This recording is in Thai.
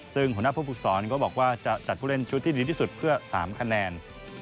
ซึ่งหัวหน้าผู้ฝึกศรก็บอกว่าจะจัดผู้เล่นชุดที่ดีที่สุดเพื่อ๓คะแนน